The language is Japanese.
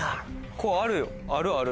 こうあるよあるある。